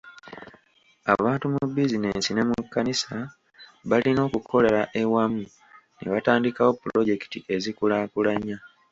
Abantu mu bizinensi ne mu kkanisa balina okukolera ewamu ne batandikawo pulojekiti ezikulaakulanya.